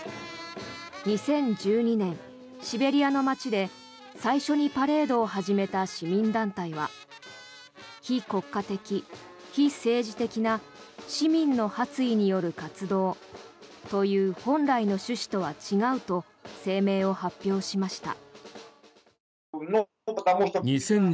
２０１２年、シベリアの街で最初にパレードを始めた市民団体は非国家的・非政治的な市民の発意による活動という本来の趣旨とは違うと声明を発表しました。